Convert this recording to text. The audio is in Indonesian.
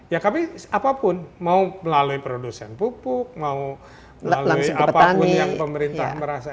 ya kami apapun mau melalui produsen pupuk mau melalui apapun yang pemerintah merasa